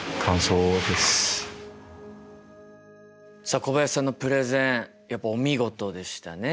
さあ小林さんのプレゼンやっぱお見事でしたね。